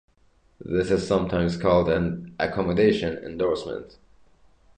This is sometimes called an accommodation endorsement.